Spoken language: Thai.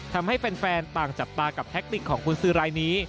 ทำให้แฟนต่างจับตากับแท็กติกของกุญสือรายนี้